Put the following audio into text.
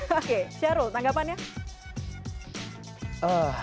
oke sherul tanggapannya